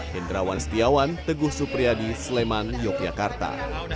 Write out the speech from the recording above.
hendrawan setiawan teguh supriyadi sleman yogyakarta